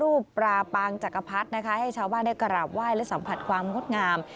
ปลาปางจักรพรรดินะคะให้ชาวบ้านได้กราบไหว้และสัมผัสความงดงาม